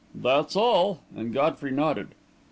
"That's all," and Godfrey nodded.